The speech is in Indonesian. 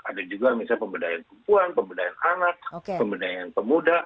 ada juga misalnya pemberdayaan perempuan pemberdayaan anak pemberdayaan pemuda